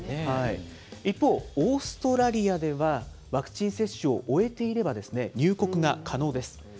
一方、オーストラリアでは、ワクチン接種を終えていれば入国が可能です。